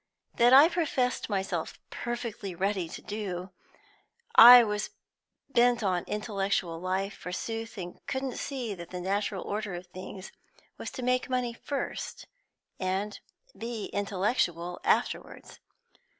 That I professed myself perfectly ready to do; I was bent on an intellectual life, forsooth; couldn't see that the natural order of things was to make money first and be intellectual afterwards.